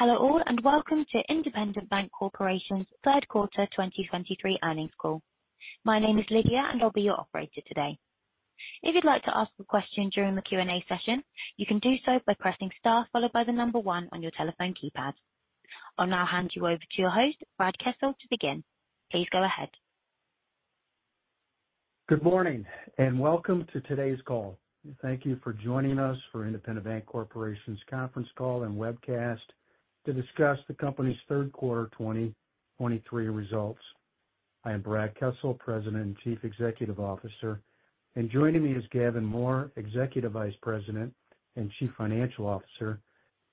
Hello, all, and welcome to Independent Bank Corporation's Third Quarter 2023 Earnings Call. My name is Lydia, and I'll be your operator today. If you'd like to ask a question during the Q&A session, you can do so by pressing star followed by the number one on your telephone keypad. I'll now hand you over to your host, Brad Kessel, to begin. Please go ahead. Good morning, and welcome to today's call. Thank you for joining us for Independent Bank Corporation's conference call and webcast to discuss the company's third quarter 2023 results. I am Brad Kessel, President and Chief Executive Officer, and joining me is Gavin Mohr, Executive Vice President and Chief Financial Officer,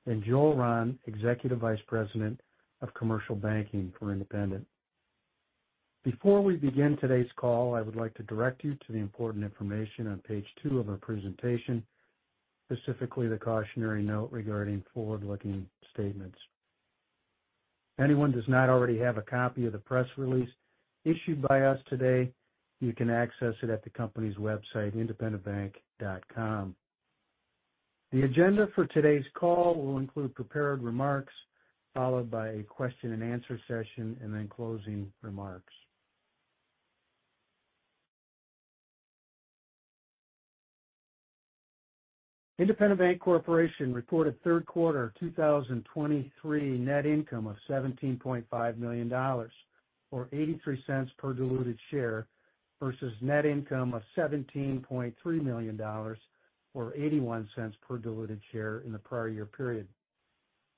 and Joel Rahn, Executive Vice President of Commercial Banking for Independent. Before we begin today's call, I would like to direct you to the important information on page two of our presentation, specifically the cautionary note regarding forward-looking statements. If anyone does not already have a copy of the press release issued by us today, you can access it at the company's website, independentbank.com. The agenda for today's call will include prepared remarks, followed by a question-and-answer session, and then closing remarks. Independent Bank Corporation reported third quarter 2023 net income of $17.5 million, or $0.83 per diluted share, versus net income of $17.3 million, or $0.81 per diluted share in the prior year period.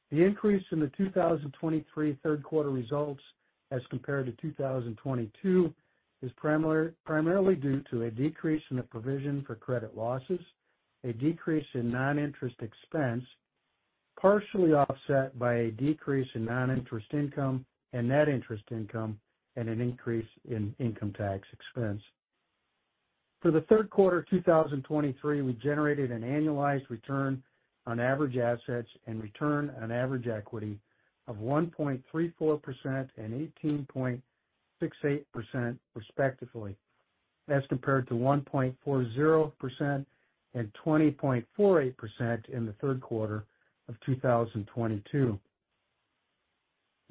The increase in the 2023 third quarter results as compared to 2022 is primarily due to a decrease in the provision for credit losses, a decrease in non-interest expense, partially offset by a decrease in non-interest income and net interest income, and an increase in income tax expense. For the third quarter 2023, we generated an annualized return on average assets and return on average equity of 1.34% and 18.68%, respectively, as compared to 1.40% and 20.48% in the third quarter of 2022.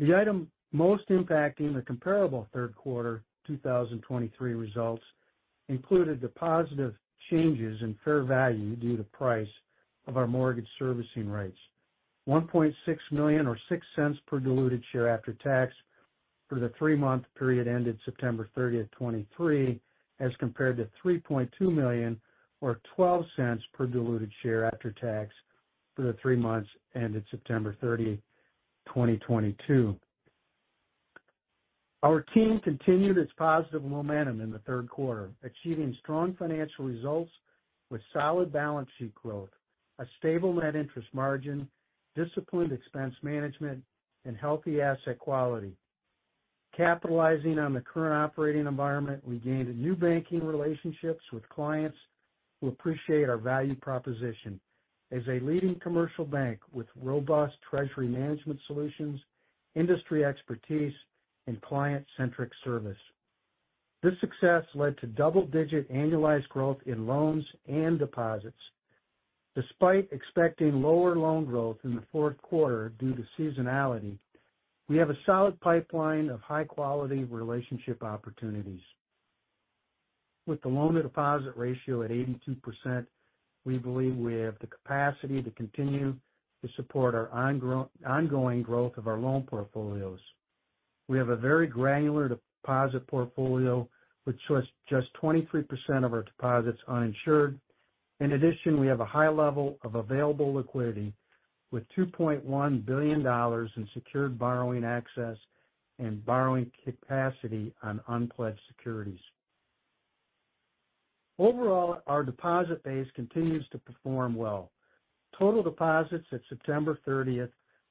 The item most impacting the comparable third quarter 2023 results included the positive changes in fair value due to price of our mortgage servicing rights, $1.6 million or $0.06 per diluted share after tax for the three-month period ended September 30, 2023, as compared to $3.2 million or $0.12 per diluted share after tax for the three months ended September 30, 2022. Our team continued its positive momentum in the third quarter, achieving strong financial results with solid balance sheet growth, a stable net interest margin, disciplined expense management, and healthy asset quality. Capitalizing on the current operating environment, we gained new banking relationships with clients who appreciate our value proposition as a leading commercial bank with robust treasury management solutions, industry expertise, and client-centric service. This success led to double-digit annualized growth in loans and deposits. Despite expecting lower loan growth in the fourth quarter due to seasonality, we have a solid pipeline of high-quality relationship opportunities. With the loan-to-deposit ratio at 82%, we believe we have the capacity to continue to support our ongoing growth of our loan portfolios. We have a very granular deposit portfolio, with just, just 23% of our deposits uninsured. In addition, we have a high level of available liquidity, with $2.1 billion in secured borrowing access and borrowing capacity on unpledged securities. Overall, our deposit base continues to perform well. Total deposits at September 30th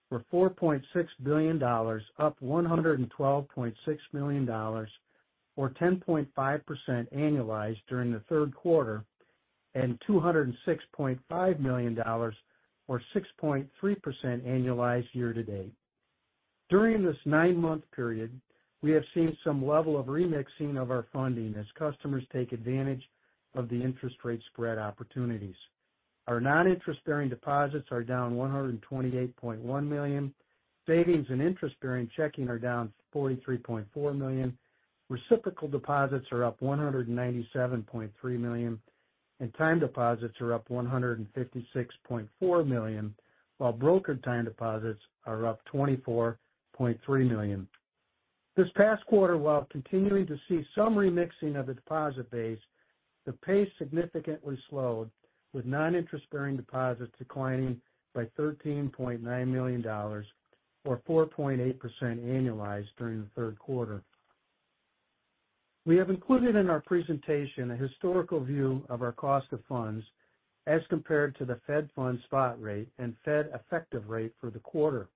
were $4.6 billion, up $112.6 million, or 10.5% annualized during the third quarter, and $206.5 million, or 6.3% annualized year to date. During this nine-month period, we have seen some level of remixing of our funding as customers take advantage of the interest rate spread opportunities. Our non-interest-bearing deposits are down $128.1 million, savings and interest-bearing checking are down $43.4 million, reciprocal deposits are up $197.3 million, and time deposits are up $156.4 million, while brokered time deposits are up $24.3 million. This past quarter, while continuing to see some remixing of the deposit base, the pace significantly slowed, with non-interest-bearing deposits declining by $13.9 million, or 4.8% annualized during the third quarter. We have included in our presentation a historical view of our cost of funds as compared to the Fed Funds Spot Rate and Fed Effective Rate for the quarter.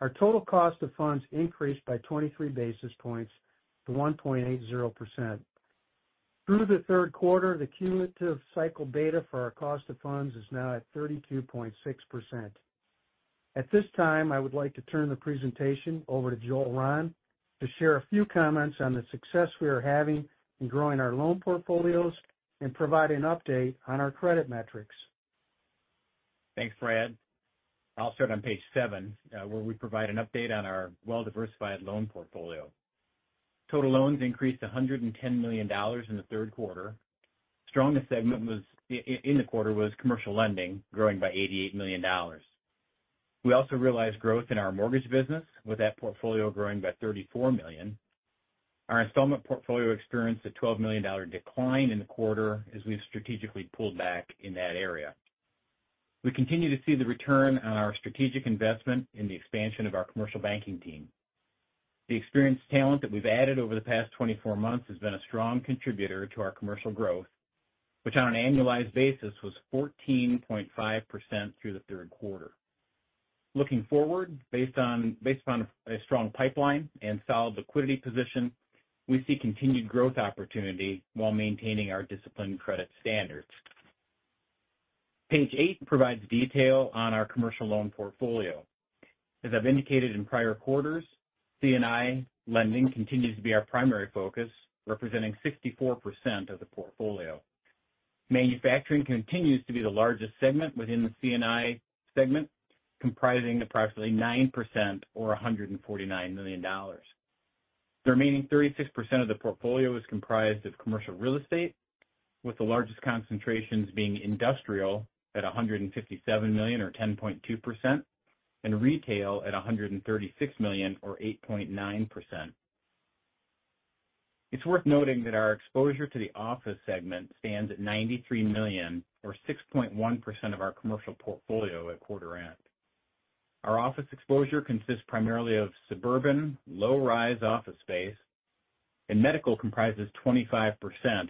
Our total cost of funds increased by 23 basis points to 1.80%. Through the third quarter, the cumulative cycle data for our cost of funds is now at 32.6%. At this time, I would like to turn the presentation over to Joel Rahn to share a few comments on the success we are having in growing our loan portfolios and provide an update on our credit metrics. Thanks, Brad. I'll start on page seven, where we provide an update on our well-diversified loan portfolio. Total loans increased $110 million in the third quarter. Strongest segment was commercial lending, growing by $88 million. We also realized growth in our mortgage business, with that portfolio growing by $34 million. Our installment portfolio experienced a $12 million decline in the quarter as we've strategically pulled back in that area. We continue to see the return on our strategic investment in the expansion of our commercial banking team. The experienced talent that we've added over the past 24 months has been a strong contributor to our commercial growth, which on an annualized basis, was 14.5% through the third quarter. Looking forward, based on a strong pipeline and solid liquidity position, we see continued growth opportunity while maintaining our disciplined credit standards. Page eight provides detail on our commercial loan portfolio. As I've indicated in prior quarters, C&I lending continues to be our primary focus, representing 64% of the portfolio. Manufacturing continues to be the largest segment within the C&I segment, comprising approximately 9% or $149 million. The remaining 36% of the portfolio is comprised of commercial real estate, with the largest concentrations being industrial at $157 million or 10.2%, and retail at $136 million or 8.9%. It's worth noting that our exposure to the office segment stands at $93 million or 6.1% of our commercial portfolio at quarter end. Our office exposure consists primarily of suburban, low-rise office space, and medical comprises 25%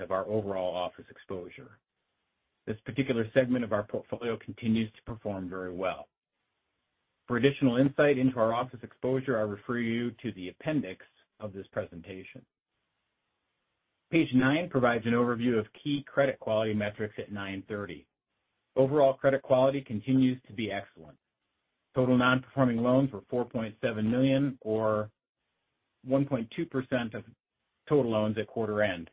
of our overall office exposure. This particular segment of our portfolio continues to perform very well. For additional insight into our office exposure, I refer you to the appendix of this presentation. Page nine provides an overview of key credit quality metrics at 9/30. Overall credit quality continues to be excellent. Total nonperforming loans were $4.7 million, or 1.2% of total loans at quarter end.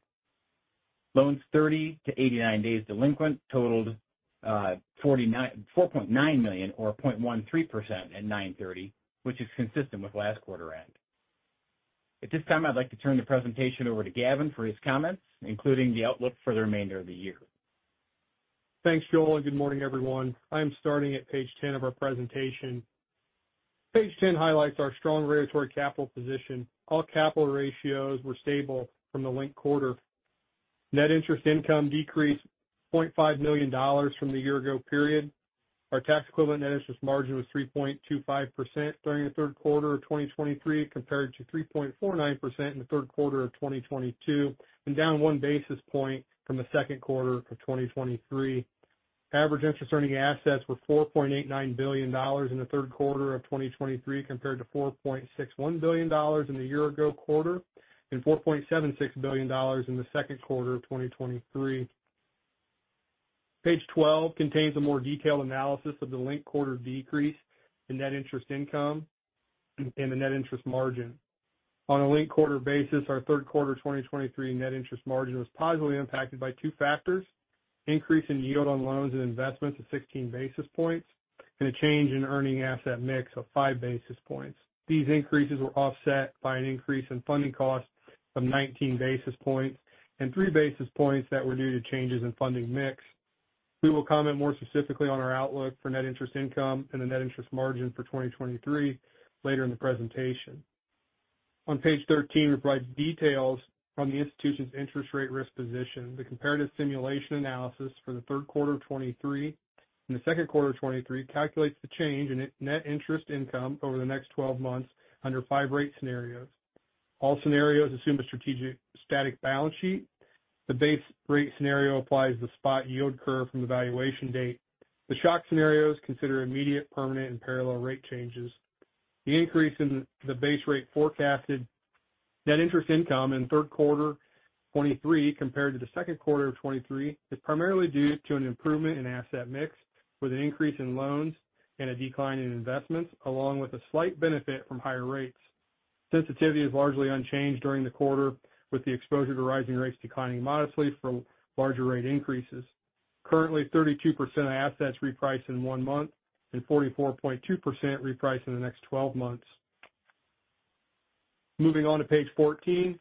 Loans 30-89 days delinquent totaled $4.9 million or 0.13% at 9.30, which is consistent with last quarter end. At this time, I'd like to turn the presentation over to Gavin for his comments, including the outlook for the remainder of the year. Thanks, Joel, and good morning, everyone. I'm starting at page 10 of our presentation. Page 10 highlights our strong regulatory capital position. All capital ratios were stable from the linked-quarter. Net interest income decreased $0.5 million from the year ago period. Our tax equivalent net interest margin was 3.25% during the third quarter of 2023, compared to 3.49% in the third quarter of 2022, and down 1 basis point from the second quarter of 2023. Average interest earning assets were $4.89 billion in the third quarter of 2023, compared to $4.61 billion in the year ago quarter, and $4.76 billion in the second quarter of 2023. Page 12 contains a more detailed analysis of the linked-quarter decrease in net interest income and the net interest margin. On a linked-quarter basis, our third quarter 2023 net interest margin was positively impacted by two factors: increase in yield on loans and investments of 16 basis points and a change in earning asset mix of 5 basis points. These increases were offset by an increase in funding costs of 19 basis points and 3 basis points that were due to changes in funding mix. We will comment more specifically on our outlook for net interest income and the net interest margin for 2023 later in the presentation. On page 13, it provides details on the institution's interest-rate risk position. The comparative simulation analysis for the third quarter of 2023 and the second quarter of 2023 calculates the change in net interest income over the next 12 months under five rate scenarios. All scenarios assume a strategic static balance sheet. The base rate scenario applies the spot yield curve from the valuation date. The shock scenarios consider immediate, permanent, and parallel rate changes. The increase in the base rate forecasted net interest income in third quarter 2023 compared to the second quarter of 2023 is primarily due to an improvement in asset mix, with an increase in loans and a decline in investments, along with a slight benefit from higher rates. Sensitivity is largely unchanged during the quarter, with the exposure to rising rates declining modestly from larger rate increases. Currently, 32% of assets reprice in one month and 44.2% reprice in the next 12 months. Moving on to page 14.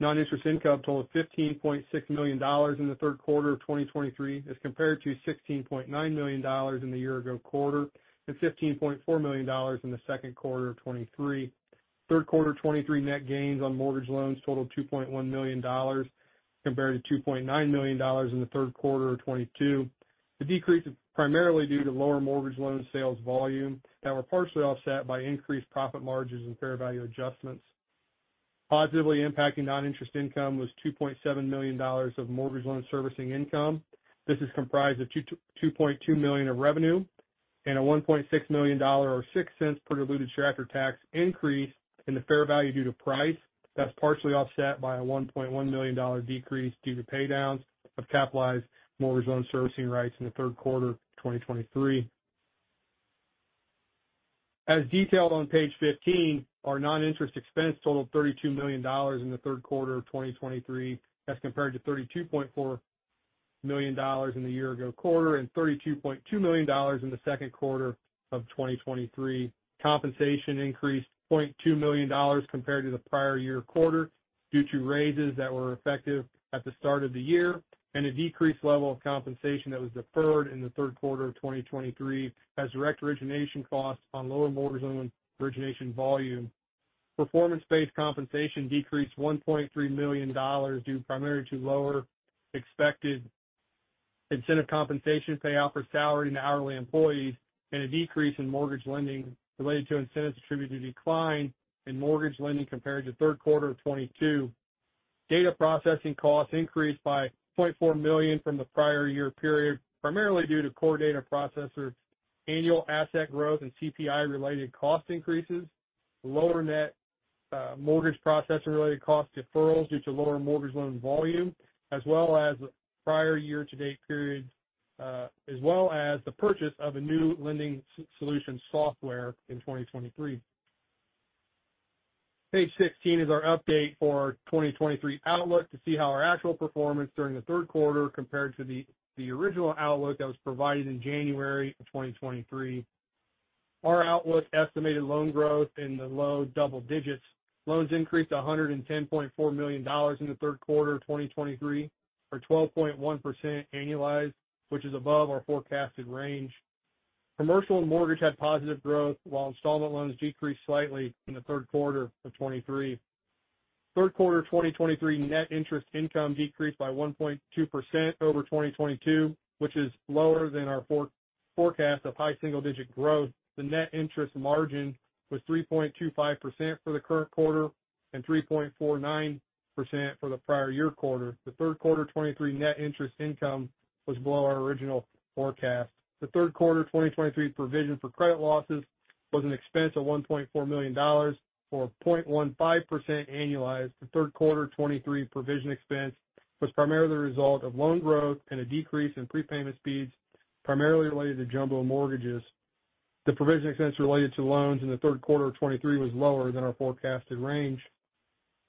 Non-interest income totaled $15.6 million in the third quarter of 2023, as compared to $16.9 million in the year ago quarter and $15.4 million in the second quarter of 2023. Third quarter 2023 net gains on mortgage loans totaled $2.1 million, compared to $2.9 million in the third quarter of 2022. The decrease is primarily due to lower mortgage loan sales volume that were partially offset by increased profit margins and fair value adjustments. Positively impacting non-interest income was $2.7 million of mortgage loan servicing income. This is comprised of $2.2 million of revenue and a $1.6 million or $0.06 per diluted share after tax increase in the fair value due to price. That's partially offset by a $1.1 million decrease due to pay downs of capitalized mortgage-loan servicing rights in the third quarter of 2023. As detailed on page 15, our non-interest expense totaled $32 million in the third quarter of 2023, as compared to $32.4 million in the year ago quarter, and $32.2 million in the second quarter of 2023. Compensation increased $0.2 million compared to the prior year quarter, due to raises that were effective at the start of the year, and a decreased level of compensation that was deferred in the third quarter of 2023, as direct origination costs on lower mortgage loan origination volume. Performance-based compensation decreased $1.3 million, due primarily to lower expected incentive compensation payout for salaried and hourly employees, and a decrease in mortgage lending related to incentives attributed to decline in mortgage lending compared to third quarter of 2022. Data processing costs increased by $0.4 million from the prior year period, primarily due to core data processor, annual asset growth, and CPI-related cost increases, lower net mortgage processing-related cost deferrals due to lower mortgage loan volume, as well as the prior-year-to-date period, as well as the purchase of a new lending solution software in 2023. Page 16 is our update for our 2023 outlook to see how our actual performance during the third quarter compared to the original outlook that was provided in January of 2023. Our outlook estimated loan growth in the low double digits. Loans increased $110.4 million in the third quarter of 2023, or 12.1% annualized, which is above our forecasted range. Commercial and mortgage had positive growth, while installment loans decreased slightly in the third quarter of 2023. Third quarter 2023 net interest income decreased by 1.2% over 2022, which is lower than our forecast of high single digit growth. The net interest margin was 3.25% for the current quarter and 3.49% for the prior year quarter. The third quarter 2023 net interest income was below our original forecast. The third quarter 2023 provision for credit losses was an expense of $1.4 million, or 0.15% annualized. The third quarter 2023 provision expense was primarily the result of loan growth and a decrease in prepayment speeds, primarily related to jumbo mortgages. The provision expense related to loans in the third quarter of 2023 was lower than our forecasted range.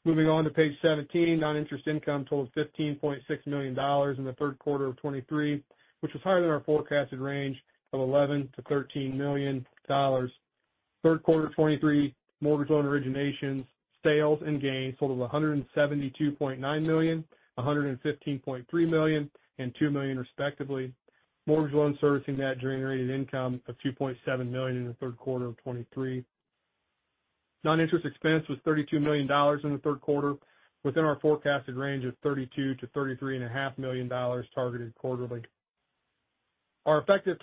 Moving on to page 17, non-interest income totaled $15.6 million in the third quarter of 2023, which was higher than our forecasted range of $11-$13 million. Third quarter 2023 mortgage-loan originations, sales, and gains totaled $172.9 million, $115.3 million, and $2 million, respectively. Mortgage loan servicing net generating income of $2.7 million in the third quarter of 2023. Non-interest expense was $32 million in the third quarter, within our forecasted range of $32-$33.5 million targeted quarterly. Our effective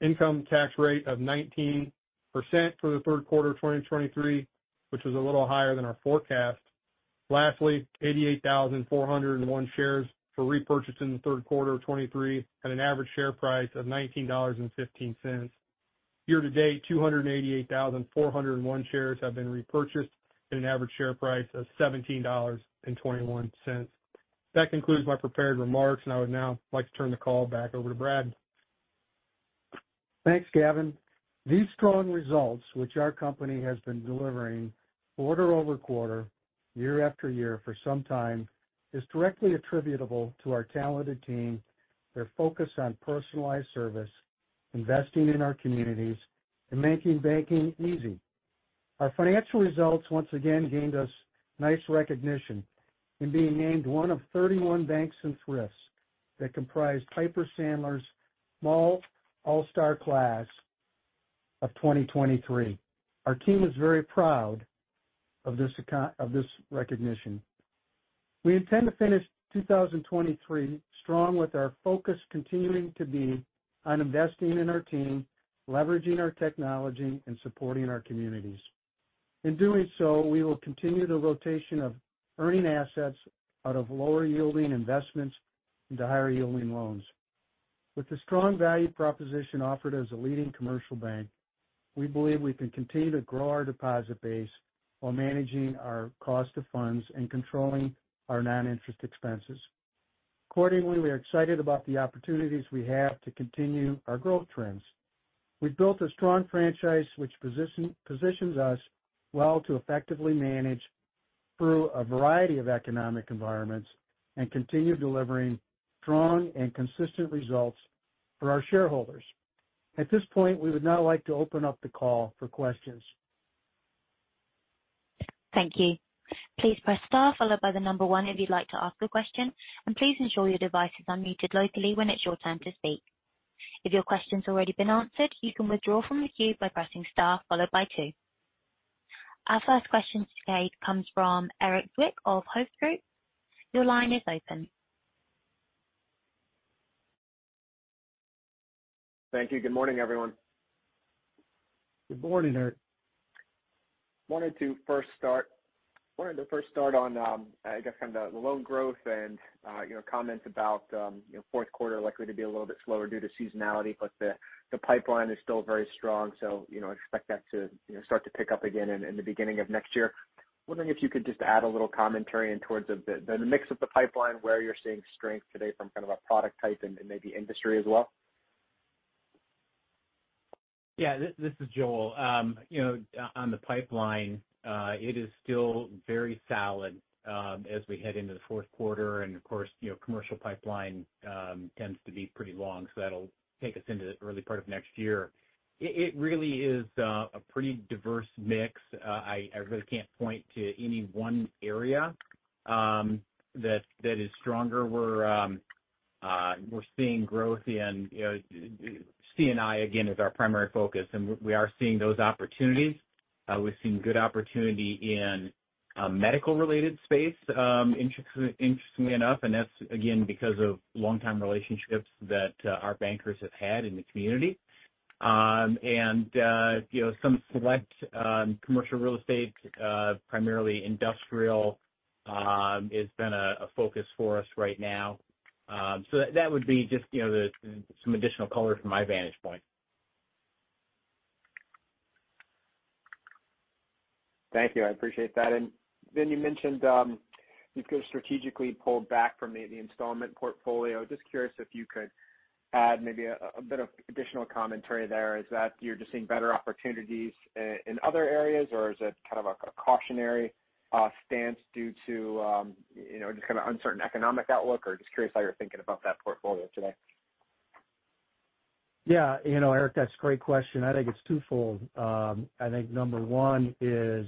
income tax rate of 19% for the third quarter of 2023, which is a little higher than our forecast. Lastly, 88,401 shares were repurchased in the third quarter of 2023 at an average share price of $19.15. Year to date, 288,401 shares have been repurchased at an average share price of $17.21. That concludes my prepared remarks, and I would now like to turn the call back over to Brad. Thanks, Gavin. These strong results, which our company has been delivering quarter-over-quarter, year after year for some time, is directly attributable to our talented team, their focus on personalized service, investing in our communities, and making banking easy. Our financial results once again gained us nice recognition in being named one of 31 banks and thrifts that comprise Piper Sandler's Sm-All Star Class of 2023. Our team is very proud of this recognition. We intend to finish 2023 strong, with our focus continuing to be on investing in our team, leveraging our technology, and supporting our communities. In doing so, we will continue the rotation of earning assets out of lower-yielding investments into higher-yielding loans. With the strong value proposition offered as a leading commercial bank, we believe we can continue to grow our deposit base while managing our cost of funds and controlling our non-interest expenses. Accordingly, we are excited about the opportunities we have to continue our growth trends. We've built a strong franchise which positions us well to effectively manage through a variety of economic environments and continue delivering strong and consistent results for our shareholders. At this point, we would now like to open up the call for questions. Thank you. Please press star followed by the number one if you'd like to ask a question, and please ensure your devices are unmuted locally when it's your time to speak. If your question's already been answered, you can withdraw from the queue by pressing star followed by two. Our first question today comes from Erik Zwick of Hovde Group. Your line is open. Thank you. Good morning, everyone. Good morning, Eric. Wanted to first start on, I guess, kind of the loan growth and, you know, comments about, you know, fourth quarter likely to be a little bit slower due to seasonality, but the pipeline is still very strong. So, you know, expect that to, you know, start to pick up again in the beginning of next year.... wondering if you could just add a little commentary in towards of the mix of the pipeline, where you're seeing strength today from kind of a product type and maybe industry as well? Yeah, this is Joel. You know, on the pipeline, it is still very solid as we head into the fourth quarter. And of course, you know, commercial pipeline tends to be pretty long, so that'll take us into the early part of next year. It really is a pretty diverse mix. I really can't point to any one area that is stronger. We're seeing growth in, you know, C&I, again, is our primary focus, and we are seeing those opportunities. We've seen good opportunity in medical-related space, interestingly enough, and that's again because of long-time relationships that our bankers have had in the community. And you know, some select commercial real estate, primarily industrial, has been a focus for us right now. So that would be just, you know, some additional color from my vantage point. Thank you. I appreciate that. And then you mentioned you've kind of strategically pulled back from the installment portfolio. Just curious if you could add maybe a bit of additional commentary there. Is that you're just seeing better opportunities in other areas, or is it kind of a cautionary stance due to you know, just kind of uncertain economic outlook? Or just curious how you're thinking about that portfolio today. Yeah. You know, Erik, that's a great question. I think it's twofold. I think number one is,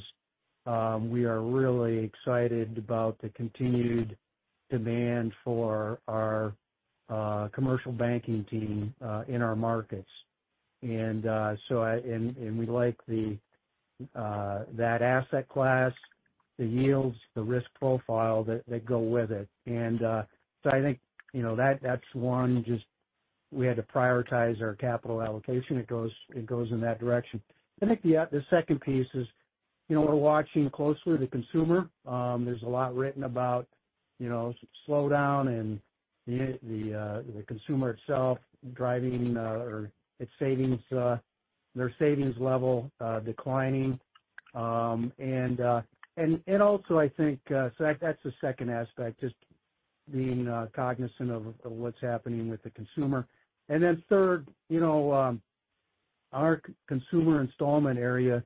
we are really excited about the continued demand for our commercial banking team in our markets. We like that asset class, the yields, the risk profile that go with it. I think that's one, just we had to prioritize our capital allocation. It goes in that direction. I think the second piece is, you know, we're watching closely the consumer. There's a lot written about slowdown and the consumer itself driving, or its savings, their savings level, declining. Also I think, so that's the second aspect, just being cognizant of what's happening with the consumer. And then third, you know, our consumer installment area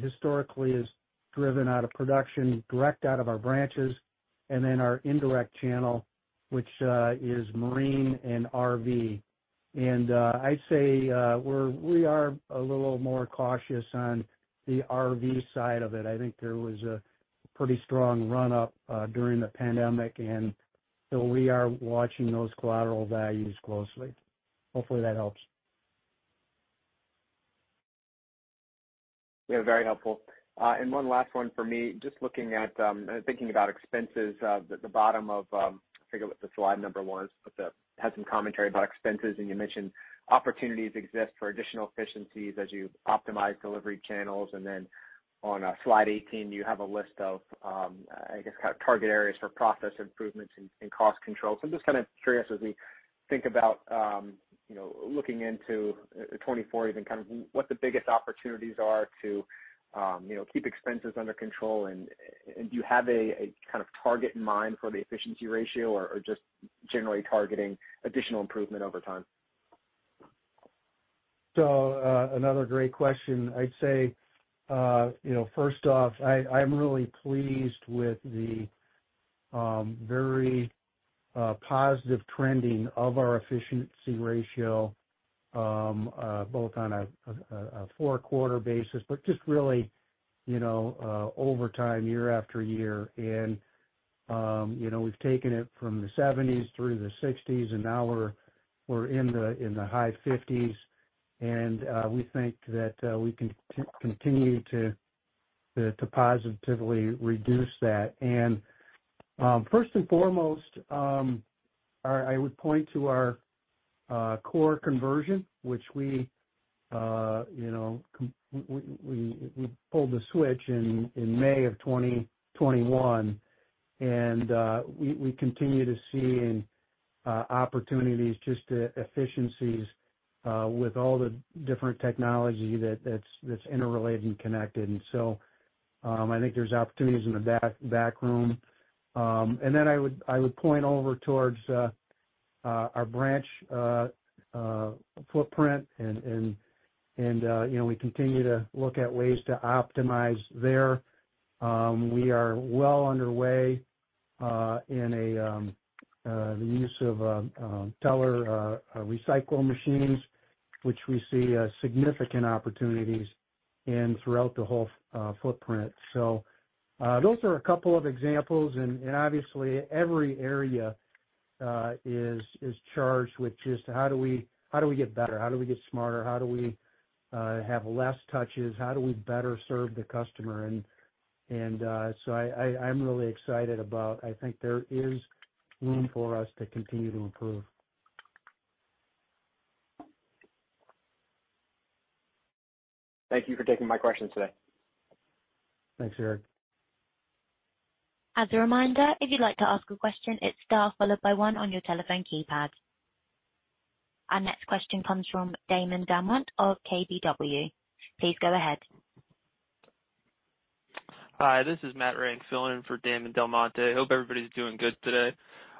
historically is driven out of production direct out of our branches, and then our indirect channel, which is marine and RV. I'd say, we are a little more cautious on the RV side of it. I think there was a pretty strong run-up during the pandemic, and so we are watching those collateral values closely. Hopefully, that helps. Yeah, very helpful. And one last one for me. Just looking at, and thinking about expenses, at the bottom of, I forget what the slide number was, but, had some commentary about expenses, and you mentioned opportunities exist for additional efficiencies as you optimize delivery channels. And then on, slide eighteen, you have a list of, I guess, kind of target areas for process improvements and, and cost control. So I'm just kind of curious, as we think about, you know, looking into 2040 and kind of what the biggest opportunities are to, you know, keep expenses under control, and, and do you have a, a kind of target in mind for the efficiency ratio or, or just generally targeting additional improvement over time? So, another great question. I'd say, you know, first off, I'm really pleased with the very positive trending of our efficiency ratio, both on a four-quarter basis, but just really, you know, over time, year after year. And, you know, we've taken it from the 70s through the 60s, and now we're in the high 50s, and we think that we can continue to positively reduce that. And, first and foremost, I would point to our core conversion, which we, you know, we pulled the switch in May of 2021, and we continue to see opportunities just to efficiencies, with all the different technology that's interrelated and connected. I think there's opportunities in the back, back room. I would point over towards our branch footprint and, you know, we continue to look at ways to optimize there. We are well underway in the use of teller recycle machines, which we see significant opportunities in throughout the whole footprint. Those are a couple of examples, and obviously, every area is charged with just how do we, how do we get better? How do we get smarter? How do we have less touches? How do we better serve the customer? I, I'm really excited about... I think there is room for us to continue to improve. Thank you for taking my questions today. Thanks, Erik. ...As a reminder, if you'd like to ask a question, it's star followed by one on your telephone keypad. Our next question comes from Damon DelMonte of KBW. Please go ahead. Hi, this is Matt Renck, filling in for Damon DelMonte. I hope everybody's doing good today.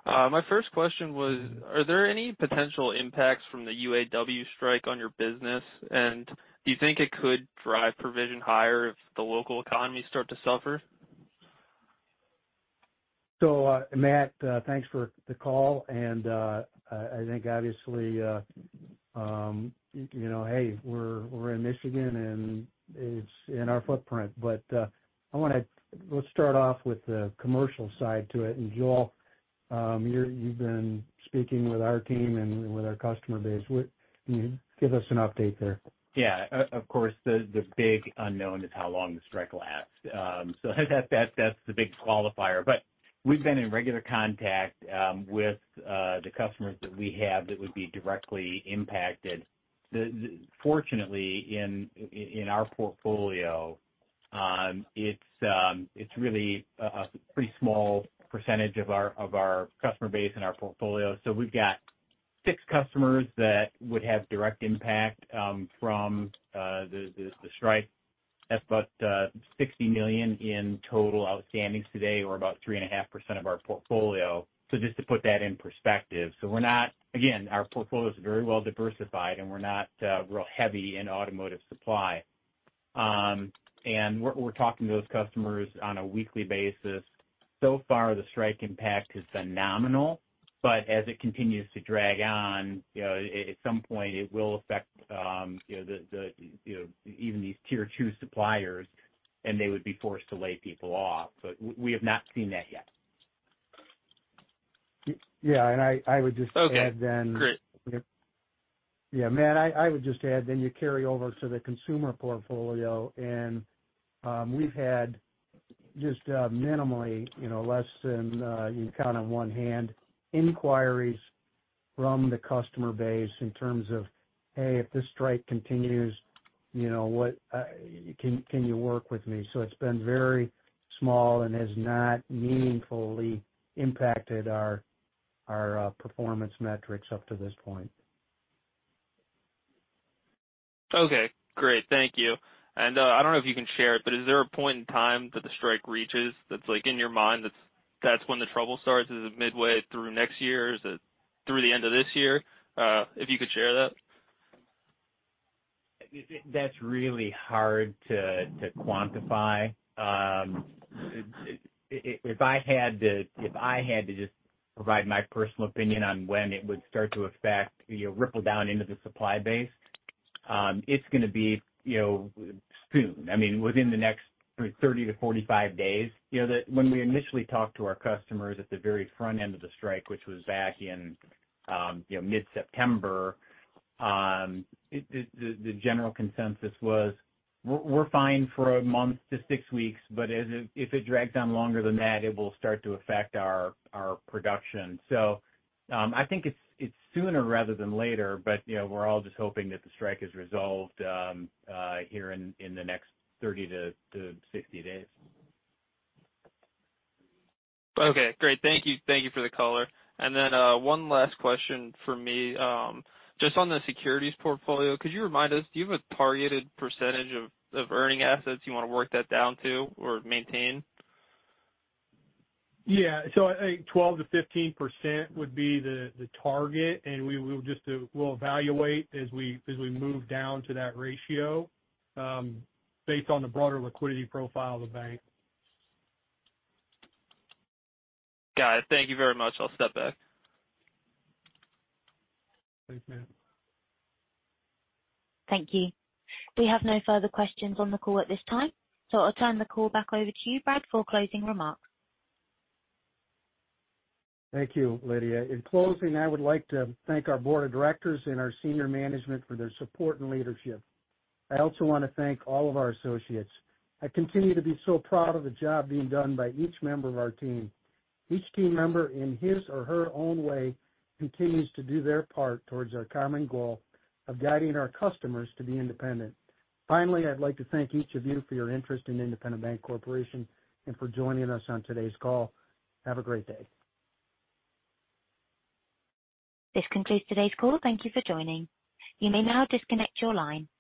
My first question was, are there any potential impacts from the UAW strike on your business? And do you think it could drive provision higher if the local economy start to suffer? So, Matt, thanks for the call. And, I think obviously, you know, hey, we're in Michigan, and it's in our footprint. But, I wanna—let's start off with the commercial side to it. And Joel, you've been speaking with our team and with our customer base. What can you give us an update there? Yeah, of course, the big unknown is how long the strike lasts. So that, that's the big qualifier. But we've been in regular contact with the customers that we have that would be directly impacted. Fortunately, in our portfolio, it's really a pretty small percentage of our customer base and our portfolio. So we've got six customers that would have direct impact from the strike. That's about $60 million in total outstanding today or about 3.5% of our portfolio. So just to put that in perspective. So we're not -- again, our portfolio is very well diversified, and we're not real heavy in automotive supply. And we're talking to those customers on a weekly basis. So far, the strike impact has been nominal, but as it continues to drag on, you know, at some point, it will affect, you know, the you know, even these tier two suppliers, and they would be forced to lay people off. But we have not seen that yet. Yeah, and I would just add then. Okay, great. Yeah, Matt, I would just add, then you carry over to the consumer portfolio, and we've had just minimally, you know, less than you can count on one hand, inquiries from the customer base in terms of, "Hey, if this strike continues, you know, what can you work with me?" So it's been very small and has not meaningfully impacted our performance metrics up to this point. Okay, great. Thank you. I don't know if you can share it, but is there a point in time that the strike reaches that's like, in your mind, that's when the trouble starts? Is it midway through next year? Is it through the end of this year? If you could share that. It -- that's really hard to quantify. If I had to just provide my personal opinion on when it would start to affect, you know, ripple down into the supply base, it's gonna be, you know, soon, I mean, within the next 30-45 days. You know, when we initially talked to our customers at the very front end of the strike, which was back in, you know, mid-September, the general consensus was, "We're fine for a month to six weeks, but if it drags on longer than that, it will start to affect our production." So, I think it's sooner rather than later, but, you know, we're all just hoping that the strike is resolved here in the next 30-60 days. Okay, great. Thank you. Thank you for the color. And then, one last question from me. Just on the securities portfolio, could you remind us, do you have a targeted percentage of, of earning assets you want to work that down to or maintain? Yeah. So I think 12%-15% would be the target, and we will just evaluate as we move down to that ratio, based on the broader liquidity profile of the bank. Got it. Thank you very much. I'll step back. Thanks, Matt. Thank you. We have no further questions on the call at this time, so I'll turn the call back over to you, Brad, for closing remarks. Thank you, Lydia. In closing, I would like to thank our board of directors and our senior management for their support and leadership. I also want to thank all of our associates. I continue to be so proud of the job being done by each member of our team. Each team member, in his or her own way, continues to do their part towards our common goal of guiding our customers to be independent. Finally, I'd like to thank each of you for your interest in Independent Bank Corporation and for joining us on today's call. Have a great day. This concludes today's call. Thank you for joining. You may now disconnect your line.